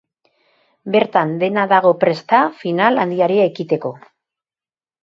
Bertan dena dago prest da final handiari ekiteko.